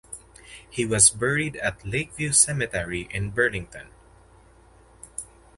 He was buried at Lakeview Cemetery in Burlington.